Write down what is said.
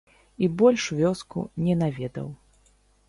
І больш вёску не наведаў.